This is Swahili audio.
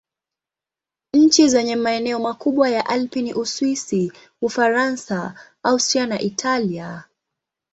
Nchi zenye maeneo makubwa ya Alpi ni Uswisi, Ufaransa, Austria na Italia.